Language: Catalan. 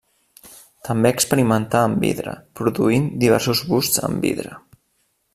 També experimentà amb vidre, produint diversos busts en vidre.